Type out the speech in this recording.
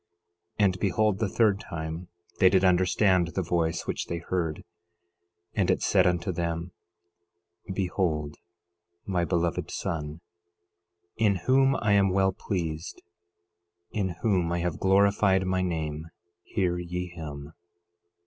11:6 And behold, the third time they did understand the voice which they heard; and it said unto them: 11:7 Behold my Beloved Son, in whom I am well pleased, in whom I have glorified my name—hear ye him.